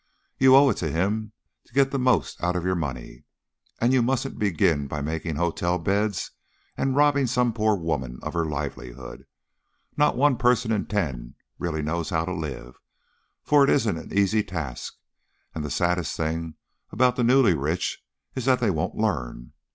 "You owe it to him to get the most out of your money, and you mustn't begin by making hotel beds and robbing some poor woman of her livelihood. Not one person in ten really knows how to live, for it isn't an easy task, and the saddest thing about the newly rich is that they won't learn.